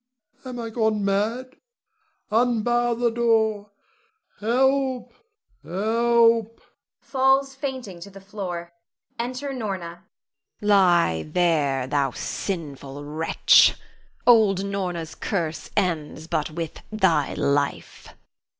am I gone mad? Unbar the door! Help! help! [Falls fainting to the floor.] [Enter Norna. Norna. Lie there, thou sinful wretch! Old Norna's curse ends but with thy life.